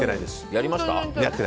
やりました？